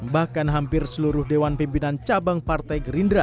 bahkan hampir seluruh dewan pimpinan cabang partai gerindra